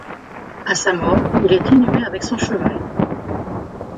À sa mort, il était inhumé avec son cheval.